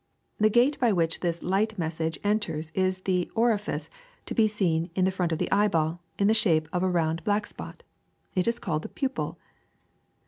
The gate by which this light message enters is the orifice to be seen in the front of the eyeball in the shape of a round black spot. It is called the pupil.